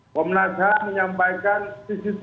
komnas ham menyampaikan sisi sisi asli ada